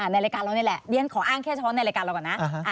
ในรายการเรานี่แหละเรียนขออ้างแค่เฉพาะในรายการเราก่อนนะ